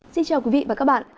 xin chào quý vị và các bạn